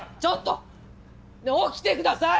ねえ起きてください！